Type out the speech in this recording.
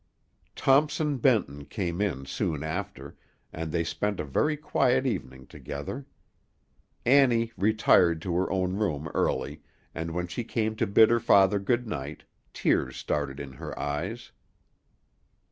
Thompson Benton came in soon after, and they spent a very quiet evening together. Annie retired to her own room early, and when she came to bid her father good night, tears started in her eyes.